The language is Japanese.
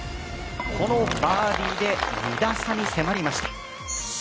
このバーディーで２打差に迫りました。